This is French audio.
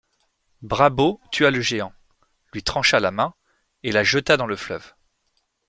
Brabo tua le géant, lui trancha la main et la jeta dans le fleuve.